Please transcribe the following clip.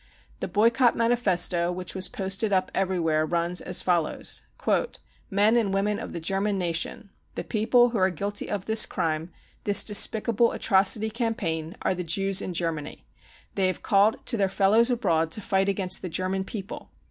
The boycott manifesto which was posted up every where runs as follows : c< Men and women of the German nation ! The people who are guilty of this crime, this despicable atrocity campaign, are the Jews in Germany. They have called to their fellows abroad to fight against the German people.